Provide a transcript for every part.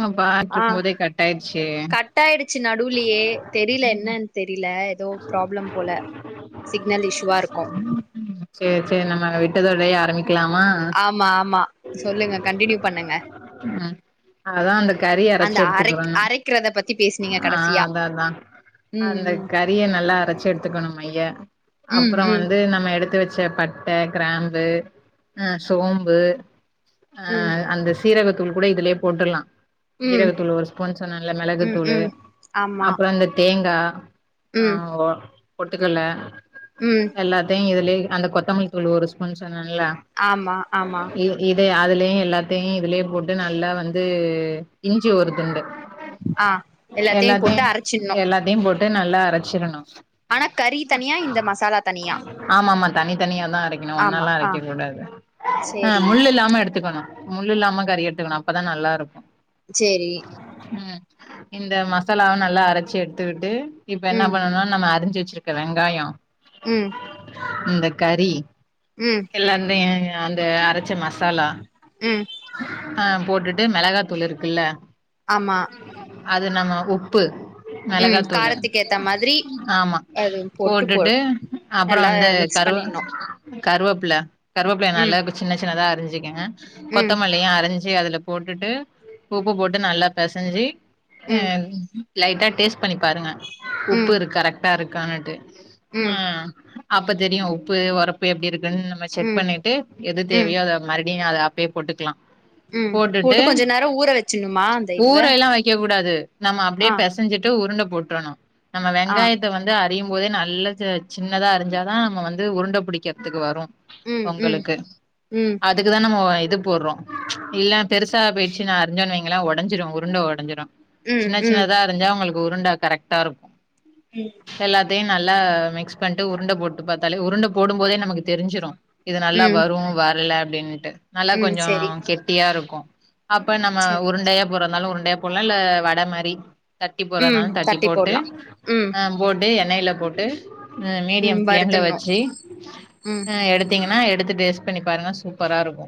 ஆமா பாத்துட்டு ஆ இருக்கும் போதே கட் ஆயிடுச்சு கட்டாயிடுச்சு நடுவுலியே தெரில்ல என்னன் தெரில ஏதோ ப்ராப்ளம் போல சிக்னல் இஷூவா இருக்கு சேர் சேர் நம்ம விட்டதோடயே ஆரம்மிக்கலாமா ஆமா ஆமா சொல்லுங்க கண்டினியூ பண்ணுங்க ம் அதா அந்த கறி அந்த அரைச்சு அரைக் எடுத்துக்கிறணு அரைக்கிறத பத்தி பேஸ்னீங்க ஆ கடசியா அதா அதா ம் அந்த ம் கறிய நல்லா அரச்சு எடுத்துக்கணு மைய ம் அப்பறோ ம் வந்து நம்ம எடுத்து வச்ச பட் ட கிராம்பு அ சோம்பு அ ம் அந்த சி சீரகத்தூள் கூட இதுலியே போட்டுர்லா ம் ம் ஜீரகத்தூள் ஒரு ஸ்பூன் சொன்னர்ல ம் மிளகுத்தூளு ம் ஆமா அப்பறோ இந்த தேங்கா ஆ ம் ஒ பொட்டுக்கல்ல ம் எல்லாத்தயு இதுலே அந்த கொத் தமல்லி தூளு ஒரு ஸ்பூன் சொன்னல்ல ஆமா ஆமா இது இத அதுலயு எல்லாத்தயு இதுலே போட்டு நல்லா வந்து இஞ்சி ஒருதுண்டு ஆ எல்லாத்தையு போட்டு அரச்சின்னு அதயு போட்டு நல்லா அரச்சிரனு ஆனா கறி தனியா இந்த மசாலா த ஆமா ஆமா தனித்தனியாதா அரைக்கணு ஆமா ஒன்னாலா ஆ அரைக்க கூடாது ஆ சேரி முள்ளு இல்லாம எடுத்துக்கணு முள்ளு இல்லாம கறி எடுத்துக்கணு அப்பதா நல்லா இருக்கு சேரி ம் இந்த மசாலாவு நல்லா அரச்சு எடுத்துக்கிட்டு இப்ப என்ன ம் பண்ணனுனா நம்ம அறிஞ்சு வச்சிருக் க வெங்காயோ ம் இந்த கறி ம் எல்லாத்தையு அந்த அரைச்ச மசாலா ம் ஆ போட்டுட்டு மிளகாத்தூள் இருக்குல ஆமா அது நம்ம உப்பு ம் மிளகாத்தூளு காரத்துக்கு ஏத்த மாதிரி ஆமா அது போட்டு போ போட்டுட்டு அப்புற நல்லா வந்து மிக்ஸ் கருவ பண்ணிட்ணு கருவேப்பில கருவேப்பில ம் நல்லா சின்ன சின்னதா அரிஞ்சிக்கோங்க ம் கொத்தமல்லியா அரிஞ் சி அதுல போட்டுட்டு உப்பு ம் போட்டு நல்லா பெசஞ்சி ஆ ம் லைட்டா டேஸ்ட் பண்ணி பாருங்க உப்பு இருக்கு கரெக்டா இருக்கனுட்டு ம் அப்ப தெரியு உப்பு உரப்பு எப்டி இருக்குன்னு நம்ம செக் ம் பண்ணிட்டு எது ம் தேவையோ அத மாறி நீங்க அத அப்பயே போட்டுக்கலா ம் போட்டு போட்டுட்டு கொஞ்ச நேரோ ஊற வச்சிட்ணுமா அந்த இதுவ ஊர எல்லா வைக்க கூடாது நம்ம ஆ அப்டியே பெசைஞ்சிட்டு உருண்ட போட்டுணு நம்ம ஆ வெங்காயத் தை வந்து அறியு போதே நல்ல சின்னதா அரிஞ்சாதா நம்ம வந்து உருண்ட பிடிக்கிறதுக்கு வரும் ம் ம் உங்களுக்கு ம் அ அதுக்கு தா நம்ம இது போடுறோ இல்ல பெருசா போயிடுச்சுனா அறிஞ்சே வைங்களா உடைஞ்சுரு உருண்ட உடைஞ்சிரு ம் சின்ன சின்ன ம் தா அறிஞ்சா உங்களுக்கு உருண்டா கரெக்டா இருக்கு ம் எல்லாத்தையு நல்லா மிக்ஸ் பண்ணிட்டு உருண்டை போட்டு பாத்தாலே உருண்டை போடு போதே நமக்கு தெரிஞ்சிரு இது நல்லா ம் வரு வரல அப்டின்னுட்டு நல்லா ம் கொஞ்ச செரி கெட்டியா இருக்கு அப்ப நம்ம செரி உருண்டைய போறனாலு உருண்டைய போடலா இல்ல வட மாறி தட்டி ம் போறனாலு தட்டி போட்டு போட்லா ம் ஆ போட்டு எண்ணெயில போட்டு ம் மீடியம் ஃப்ளேமில்ல வறுத்துட்ணு வச்சு ம் ஆ எடுத்தீங்கன்னா எடுத்து டேஸ்ட்டு பண்ணி பாருங்கா சூப்பரா இருக்கு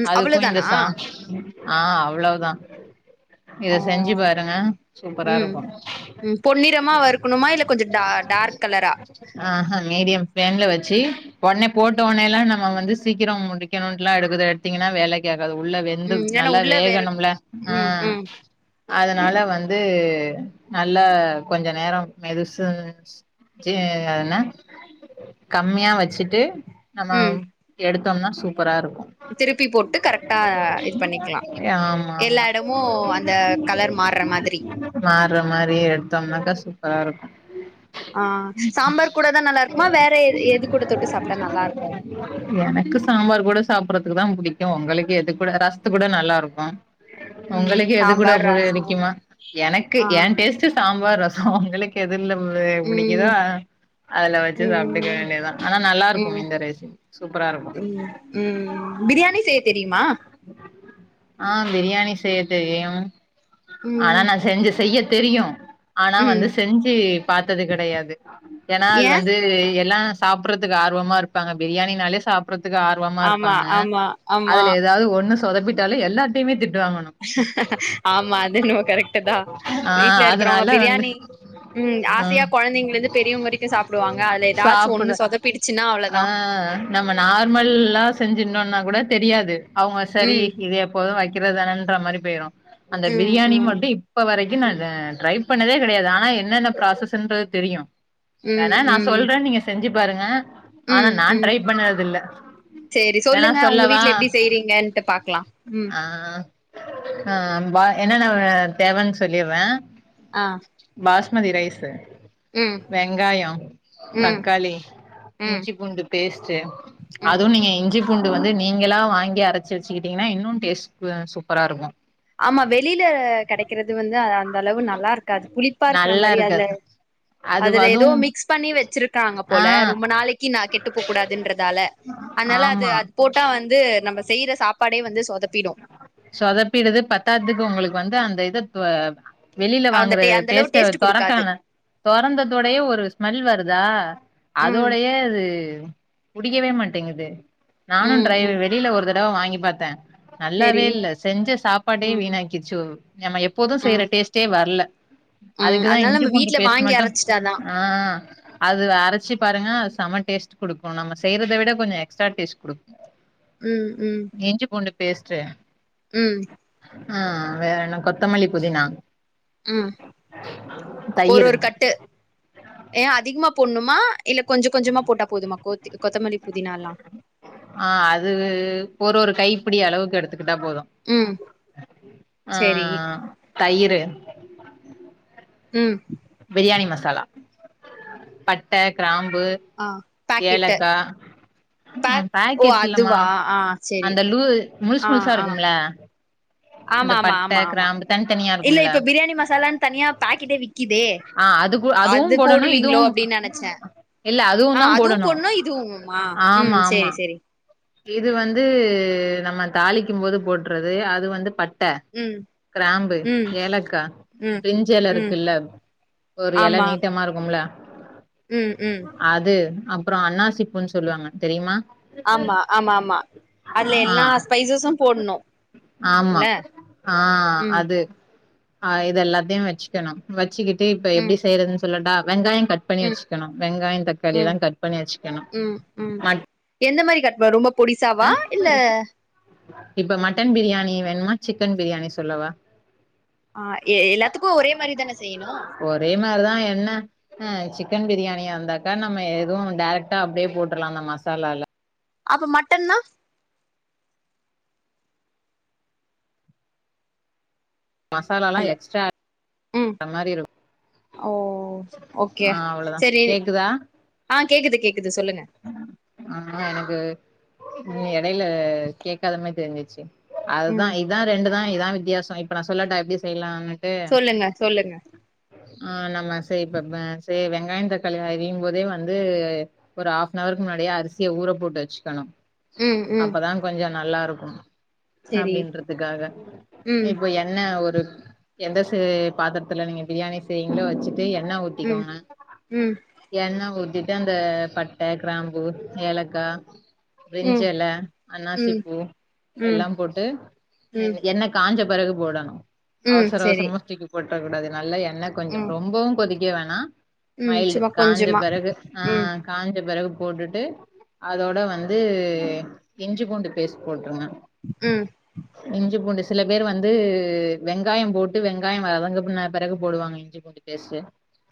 ம் அதுக்கு இந்த அவ்ளோதானா சாம் ஆ அவ்ளவுதா சூப்பரா ம் இருக்கும் ம் பொன்னிறமா வறுக்கணுமா இல்ல கொஞ்ச டார் டார்க் கலரா ஆ ஹா மீடியாம் ஃப்ளேம்ல வச்சு உடன்னே போட்ட உடனே எல்லா நம்ம வந்து சீக்கிரம் முடிக்கணுல எடுக்குது எடுத்தீங்கன்னா வேலைக்ஆகாது உள்ள வெந் து ம் ஏன்னா நல்லா உள்ள வேற வேகணும்லா ம் அதனால வந்து நல்லா கொஞ்ச நேரம் மெது சீ அது என்ன கம்மியா வச்சுட் டு நம்ம ம் எடுத்தோம்னா சூப்பரா இருக்கு திருப்பி போட்டு கரெக்டா இது பண்ணிக்கலா ஏ ஆமா எல்லா ஆமா இடமு அந்த கலர் மாற மாதிரி மாற மாறி எடுத்தோம்னா க்கா சூப்பரா இருக்கு ஆ சாம்பார் கூடதா நல்லா இருக்குமா வேற எது கூட தொட்டு சாப்பிட்டா நல்லா இருக்கு எனக்கு சாம்பார் கூட சாப்படுறதுக்கு தா புடிக்கு உங்களுக்கு எது கூட ரசத்து கூட நல்லா இருக்கு ம் உங்களுக்கு எது கூட சாம்பார் ரசோ புடிக்குமா எனக்கு ஆ ஏ டேஸ்ட்டு சாம்பார் ரசோ உங்களுக் கு எதுல பு புடிக்குதோ ம் ஆ அதுல வச்சு சாப்புட்டுக்கா ம் வேண்டியதா ஆனா நல்லா இருக்கு ம் இந்த ரைசி சூப்பரா இருக்கு ம் ம் பிரியாணி செய்ய தெரியுமா ஆ பிரியாணி செய்ய தெரியு ம் ஆனா நா செஞ்சு செய்ய தெரியு ஆனா ம் வந்து செஞ்சு பாத்தது கெடயாது ஏன்னா அது ஏ வந்து எல்லா சாப்ட்றதுக்கு ஆர்வமா இருப்பாங்க பிரியாணினாலே சாப்றதுக்கு ஆர் வமா ஆமா இருப்பாங்க ஆமா ஆமா அதுல ஏதாவது ஒண்ணு சொதப்பிட்டாலு எல்லார்டிமே திட்டுவாங்கனு ஆமா அது என்னவோ கரெக்ட்டு தா ஆ வீட்ல இருக்கிறவுங்க அதனால வந்து பிரியாணி ம் ஆசயா ஆ கெழந்தைங்கள்ந்து பெரியவங் வரைக்கு சாப்டுவாங்க அதல எதாச்சு சாப்புட ஒண்ணு சொதப்பிடுச்சுன்னா ஆ அவ்ளதா நம்ம நார்மல்லா செஞ்ருந்தோனா கூட தெரியாது அவுங்க செரி ம் இது எப்போது வைக்கிறதானன்ற மாரி போயிரு அந்த ம் பிரியாணி ம் மட்டு இப்ப வரைக்கு நா ட்ரை பண்ணதே கெடையாது ஆனா என்னென்ன ப்ராசஸ்ன்றது தெரியு ம் வேணா நா ம் சொல்ற நீங்க செஞ்சு பாருங்க ஆனா ம் நா ம் ட்ரை பண்ணறது இல்ல சேரி வேணா சொல்லுங்க உங்க சொல்லவா வீட்ல எப்டி செய்றீங்கன்ட்டு பாக்லா ம் ஆ ஆ பா என்னன்ன தேவன் சொல்லிர ஆ பாஸ்மதி ரைஸு ம் வெங்காயோ ம் தக்காளி ம் இஞ்சி பூண்டு பேஸ்ட்டு ம் அதுவு நீங்க இஞ்சிப் பூண்டு வந்து நீங்களா வாங்கி அரச்சு வச்சுகிட்டீங்கன்னா இன்னு டேஸ்ட் அ சூப்பரா இருக்கு ஆமா வெளில கெடைக்றது வந்து அந்த அளவு நல்லா இருக்காது புளிப்பா இருக்கிற நல்லா மாரி அதுல இருக்காது அது அதுல ஏதோ அதுவும் மிக்ஸ் பண்ணி வச்சிருக்காங்க ஆ போல ரொம்ப நாளைக்கி நா கெட்டு போ கூடாதுன்றதால அனால அது ஆமா அது போட்டா வந்து நம்ம செய்ற சாப்பாடே வந்து சொதப்பிடு சொதப்பிடுது பத்தாதுக்கு உங்களுக்கு வந்து அந்த இதப்ப வெளில அந்த வாங்குற டே அந்த அளவு பேஸ்ட்டு டேஸ்ட் குடுக்காது தொரக்கான தொறந்ததோடையே ஒரு ஸ்மெல் வருதா ம் அதோடையே அது புடிக்கவே மாட்டேங்குது நானு ம் ட்ரை ம் வெளில ஒரு தடவ வாங்கி பாத்த நல்லாவே சேரி இல்ல செஞ்ச சாப்பாட்டே ம் வீணாக்கி டுச்சு நம்ம எப்போது செய்ற ம் டேஸ்ட்டே வர்ல ம் அதுக்குதா அதனால இஞ்சி நம்ம பூண்டு வீட்ல பேஸ்ட் வாங்கி மட்டு அரச்சிட்டாதான் ஆ அது அரச்சி பாருங்க அது செம டேஸ்ட் குடுக்கு நம்ம செய்றத விட கொஞ்சோ எக்ஸ்ட்ரா டேஸ்ட் குடுக் ம் ம் இஞ்சி பூண்டு பேஸ்ட்டு ம் ஆ வேற என்ன கொத்தமல்லி புதினா ம் ஒரு தயிர் ஒரு கட்டு ஏ அதிகமா போட்ணுமா இல்ல கொஞ்ச கொஞ்சமா போட்டா போதுமா கொத் கொத்தமல்லி புதினாலா ஆ அது ஒரு ஒரு கைப்பிடி அளவுக்கு எடுத்துக்கிட்டா போது ம் சேரி ஆ தயிரு ம் பிரியாணி மசாலா பட்ட கிராம்பு ஆ பாக்கெட்டு ஏலக்கா பேக் ம் ஓ பாக்கெட் இல்லமா அதுவா ஆ சேரி அந்த லூ முழ்ஸ் ஆ முழ்ஸா ஆ இருக்கும்ல இந்த ஆமா ஆமா ஆமா பட்ட ஆமா கிராம்பு தனித்தனியா இல்ல இருக்கும்ல இப்ப பிரியாணி மசாலான் தனியா பாக்கெட்டே விக்கிதே ஆ அதுக்கு அதுவு அது போடணு போடுவீங்ளோ இதுவு அப்டின் நெனச்சே இல்ல ஆ தா அதுவு போடணு போட்னு இதுவும்மா ஆமா ம் ஆமா சேரி சேரி இது வந்து நம்ம தாளிக்கும் போது போட்றது அது வந்து ப ட்ட ம் கிராம்பு ம் ஏலக்கா ம் பிரிஞ்செல ம் இருக்குல்ல ஒரு இல ஆமா நீட்டமா இருக்கும்ல ம் ம் அது அப்புறோ அன்னாசிப்பூன்னு சொல்லுவாங்க தெரியுமா ஆமா ஆமா ஆமா அதில ஆ எல்லா ஸ்பைசஸும் போட்ணு இல்ல ம் இது ஆ இது எல்லாத்தையு வச்சுக்கணு வச்சுக்கிட்டு இப்ப எப்டி ம் செய்றதுன்னு சொல்லட்டா வெங்காய கட் பண்ணி ம் வச்சுக்கணு வெங்காய தக்காளி ம் எல்ல கட் பண்ணி வச்சுக்கணு ம் ம் எந்த மாரி கட் ப ரொம்ப பொடிசாவா அ இல்ல இப்ப மட்டன் பிரியாணி வேணுமா சிக்கன் பிரியாணி சொல்லவா ஆ எ எல்லாத்துக்கு ஒரே மாரி தானே செய்யணு ஒரே மாரிதா என்ன ஆ சிக்கன் பிரியாணியா இருந்தாக்கா நம்ம எது டேரக்டா அப்டியே போட்ருலா அந்த மசாலால அப்ப மட்டன்னா மசாலால ஹலோ எக்ஸ்ட்ரா ம் ஆட்ற மாரி இருக்கு ஓ ஒகே ஆ அவ்ளோதா சரி கேக்குதா ஆ கேக்குது கேக்குது சொல்லுங்க ஆ எனக்கு உ எடையில கேட்காதமா தெரிஞ்சிச்சு அதுதா ம் இதா ரெண்டுதா இதா வித்தியாச இப்ப நா சொல்லட்டா எப்டி செய்யலானு ட்டு சொல்லுங்க சொல்லுங்க ஆ நம்ம சரி இப்ப செ வெங்காய தக்காளி அறியிம் போதே வந்து ஒரு ஹாஃபனவர்க்கு முன்னாடியே அரிசிய ஊற போட்டு வச்சுக்கணு ம் ம் அப்பதா கொஞ்ச நல்லா இருக்கும் செரி அப்டின்றதுக்காக ம் இப்போ என்ன ஒரு எந்த ச பாத்திரத்துல நீங்க பிரியாணி செய்வீங்ளோ வச்சுட்டு எண்ண ம் ஊத்திக்கோங்க ம் எண்ணெ ஊத்திட்டு அந்த பட்ட கிராம்பு ஏலக்கா ம் பிரிஞ்சிஎல ம் அன்னாசிப்பூ ம் எல்லா போட்டு ம் எண்ணெ காஞ்ச பெறகு போடணு ம் அவசர செரி அவசரமா தூக்கு போட்டுறக் கூடாது நல்லா எண்ண க எண்ண கொஞ்ச ம் ரொம்பவு கொதிக்க வேணா ம் மைல்டு சும்மா காஞ்ச கொஞ்சமா பெறகு ஆ ம் காஞ்ச பெறகு போட்டுட்டு அதோட வந்து இஞ்சி பூண்டு பேஸ்ட் போட்டிருங்க ம் இஞ்சி பூண்டு சில பேர் வந்து வெங்காயம் போட்டு வெங்காய வதங்கன பின் பெறகு போடுவாங்க இஞ்சி பூண்டு பேஸ்ட்டு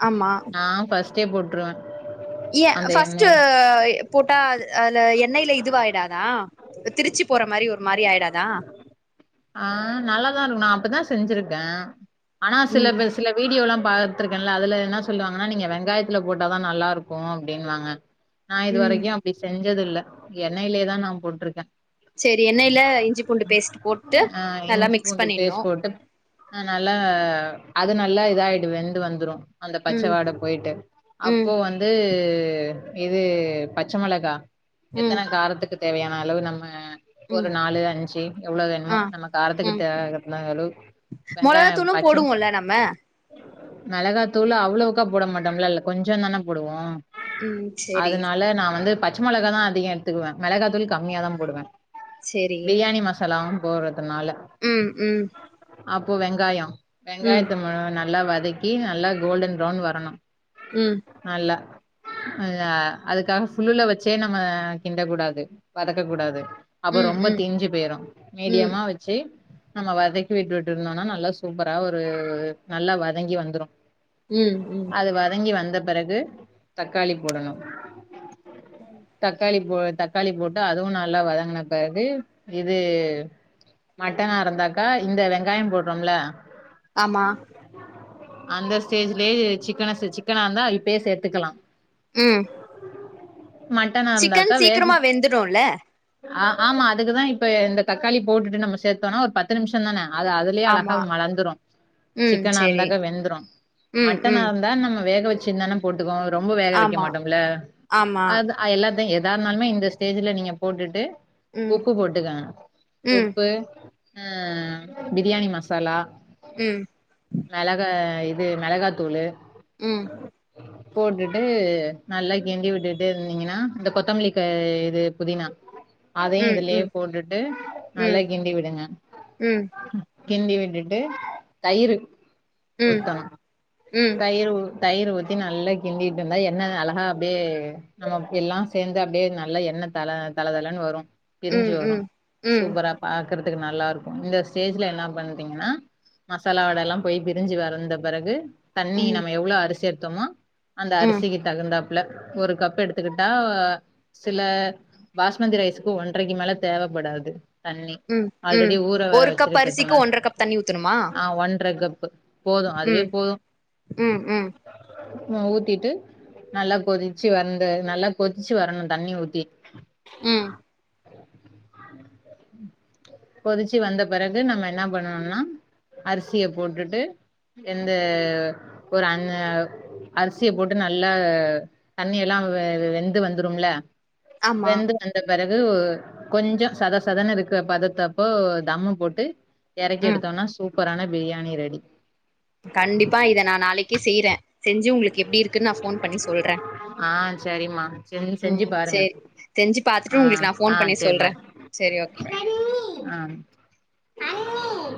ஆமா நா ஃபஸ்ட்டே போட்ருவே ஏ அந்த ஃபர்ஸ்ட் எண்ணெய் போட்டா அதுல எண்ணெய்ல இதுவாயிடாதா திறுச்சி போற மாரி ஒரு மாரி ஆயிடாதா ஆ நல்லாதா இருக்கு நா அப்பதா செஞ்சிருக்கே ஆனா சில ம் பேர் சில வீடியோலா பாத்திருக்கேன்ல அதுல என்ன சொல்லுவாங்கன்னா நீங்க வெங்காயத்துல போட்டாதா நல்லா இருக்கு அப்டின்னுவாங்க நா இது ம் வரைக்கு அப்டி செஞ்சது இல்ல எண்ணெய்லயே தா நா போட்டிருக்கே செரி எண்ணெய்ல இஞ்சி பூண்டு பேஸ்ட் போட்டு நல்லா மிக்ஸ் பண்ணிடணு அனால்ல அது நல்லா இதாயிடு வெந்து வந்துரு அந்த ம் பச்சவாட போயிட்டு ம் அப்போ வந்து இது பச்ச மொளகா ம் எத்தன காரத்துக்கு தேவையான அளவு நம்ம ஒரு ம் நாலு அஞ்சு எவ்ளோ ஆ வேணுமோ நம்ம காரத்துக்கு ம் தேவ [unintelligible] அளவு வெங்காய மொளகாத்தூளு பச்சம் போடுவோல்ல நம்ம மெளகாத்தூள் அவ்ளோவுக்கா போட மாட்டோம்ல இல்ல கொஞ்ச தானே போடுவோ ம் செரி அதுனால நா வந்து பச்ச மொளக தா அதிக எடுத்துக்குவே மெளகா தூள் கம்மியாதா போடுவே செரி பிரியாணி மசாலவு போட்றதுனால ம் ம் அப்போ வெங்காயோ ம் வெங்காயத்த நல்லா வதக் கி நல்லா கோல்டன் ப்ரவுன் வரணு ம் நல்லா அ அ அதுக்காக ஃபுல்லுலே வச்சே நம்ம கிண்டக்கூடாது வதக்க கூடாது அப்ப ம் ரொம்ப ம் தீஞ்சு போயிரு ம் மீடியமா வச்சு நம்ம வதக்கி விட்டுட்டு இருந்தோனா நல்லா சூப்பரா ஒரு நல்லா வதங்கி வந்துரு ம் ம் அது வதங்கி வந்த பிறகு தக்காளி போடணு ம் தக்காளி போ தக்காளி போட்டு அதுவு நல்லா வதங்கன பிறகு இது மட்டனா இருந்தாக்கா இந்த வெங்காயம் போட்றோம்ல ஆமா அந்த ஸ்டேஜ்லயே சிக்கன சிக்கனா இருந்தா இப்பயே சேத்துக்கலா ம் மட்டனா சிக்கன் இருந்தாக்கா வேக சீக்கிரமா வெந்துடுல்ல ஆ ஆமா அதுக்குதா இப்ப இந்த தக்காளி போட்டுட்டு நம்ம சேத்தோனா ஒரு பத்து நிமிஷ தான அது அது இல்லயா அழகா ஆமா மலர்ந்துரு ம் சிக்கனா செரி இருந்தாக்க வெந்துரு ம் மட்டனா ம் இருந்தா நம்ம வேக வச்சி தான போட்டுக்கோ ரொம்ப வேக வைக்க ஆமா மாட்டோம்ல ஆமா அதா எல்லாத்தையு எதா இருந்தாலுமே இந்த ஸ்டேஜ்ல நீங்க போட்டுட்டு ம் உப்பு போட்டுக்கங்க ம் உப்பு ம் பிரியாணி மசாலா ம் மெளகா இது மெளகாயத்தூளு ம் போட்டுட்டு நல்லா கிண்டி விட்டுட்டு இருந்தீங்கன்னா இந்த கொத்தமல்லி கஇது புதினா அதயு ம் இதுலே ம் போட்டுட்டு நல்லா ம் கிண்டி விடுங்க ம் கிண்டி விட்டுட்டு தயிரு ம் ம் ஊத்தணு ம் தயிரு தயிர் ஊத்தி நல்லா கிண்டிட்டு இருந்தா எண்ணெ அழகா அப்டே நம்ம எல்லா சேந்து அப்டே நல்ல எண்ணெ தள தளதளன்னு வரு பிரிஞ்சு வரு ம் சூப்பரா பாக்குறதுக்கு நல்லா இருக்கு இந்த ஸ்டேஜ்ல என்ன பண்றிங்ன்னா மசாலா வாட எல்லா போய் பிரி்ஞ்சி வந்த பெறகு தண்ணி ம் ம் நம்ம எவ்ளோ அரிசி எடுத்தமோ அந்த ம் அரிசி தகுந்தாப்புல ஒரு கப் எடுத்துக்கிட்டா சில பாஸ்மதி ரைஸுக்கு ஒன்றைக்கு மேல தேவப்படாது தண்ணி ம் ம் ஆல்ரெடி ஊர வேற ஒரு கப் அரிசிக்கு வச்சிருக்குதுனா ஒன்ற கப் தண்ணி ஊத்தணுமா ஆ ஒன்ற கப்பு போது அதுவே ம் போது ம் ம் அ ஊத்திட்டு நல்லா கொதிச்சு வந்த நல்லா கொதிச்சு வரணு தண்ணி ஊத்தி ம் கொதிச்சு வந்த பெறகு நம்ம என்ன பண்ணனுனா அரிசிய போட்டுட்டு எந்த ஒரு அண்ண அரிசிய போட்டு ந ந தண்ணியெல்லா வெந்து வந்துரும்ல ஆமா வெந்து வந் அ பெறகு கொஞ்ச சத சதன்னு இருக்கு பதத்தப்போ தம்மு போட்டு எரக்கி ம் எடுத்தோம்னா சூப்பரான பிரியாணி ரெடி கண்டிப்பா இத நா நாளைக்கு செய்றே செஞ்சு உங்களுக்கு எப்டி இருக்குன்னு நா ஃபோன் பண்ணி சொல்றே ஆ சரிம்மா செ செஞ்சு ம் பாருங்க சேரி செஞ்சு பாத்துட்டு ஆ உங்களுக்கு நா ஆ ஃபோன் பண்ணி சர் சொல்றே பாய் சேரி ஓகே ஆ